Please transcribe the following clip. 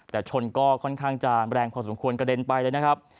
แต่ชนก็ค่อนข้างจะแรงพอสมควรกระเด็นไปเลยนะครับ